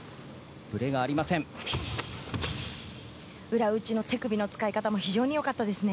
裏打ちの手首の使い方も非常に良かったですね。